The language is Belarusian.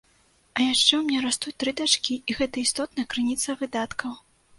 А яшчэ ў мяне растуць тры дачкі, і гэта істотная крыніца выдаткаў.